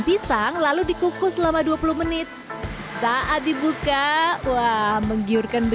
pisang lalu dikukus selama dua puluh menit saat dibuka wah menggiurkan